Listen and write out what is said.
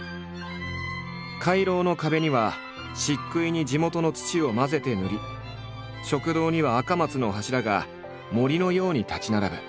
回廊の壁には漆喰に地元の土を混ぜて塗り食堂には赤松の柱が森のように立ち並ぶ。